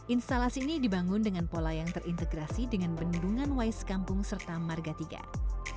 instalasi ini dibangun dengan pola yang terintegrasi dengan bendungan wais kampung serta marga tiga